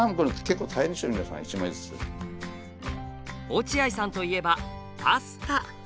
落合さんといえばパスタ。